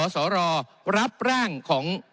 สรรับร่างของ